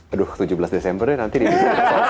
aduh tujuh belas desember ya nanti dibicara